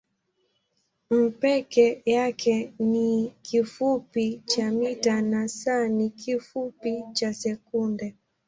m peke yake ni kifupi cha mita na s ni kifupi cha sekunde.